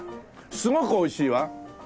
「すごくおいしい」は？